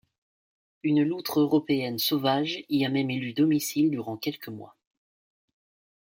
Une loutre européenne sauvage y a même élu domicile durant quelques mois.